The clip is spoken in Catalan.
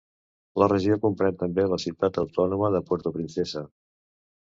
La regió comprèn també la ciutat autònoma de Puerto Princesa.